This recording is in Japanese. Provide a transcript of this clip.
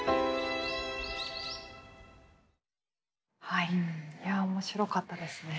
はいいや面白かったですね。